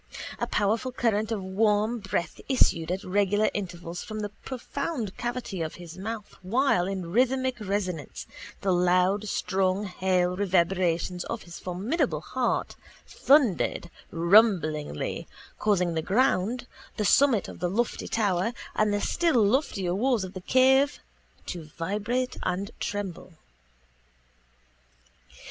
A powerful current of warm breath issued at regular intervals from the profound cavity of his mouth while in rhythmic resonance the loud strong hale reverberations of his formidable heart thundered rumblingly causing the ground, the summit of the lofty tower and the still loftier walls of the cave to vibrate and tremble.